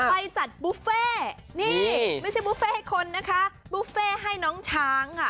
ไปจัดบุฟเฟ่นี่ไม่ใช่บุฟเฟ่ให้คนนะคะบุฟเฟ่ให้น้องช้างค่ะ